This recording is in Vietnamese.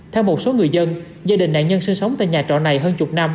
theo một số người dân gia đình nạn nhân sinh sống tại nhà trọ này hơn chục năm